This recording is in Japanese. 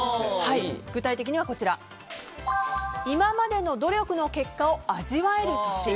具体的には、今までの努力の結果を味わえる年。